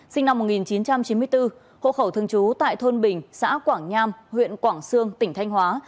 sinh năm một nghìn chín trăm chín mươi bốn hộ khẩu thường trú tại thôn bình xã quảng nham huyện quảng sương tỉnh thanh hóa